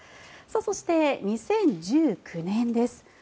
そして２０１９年です。